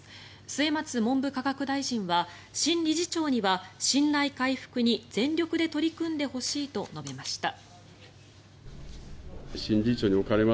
末松文部科学大臣は新理事長には信頼回復に全力で取り組んでほしいと述べました。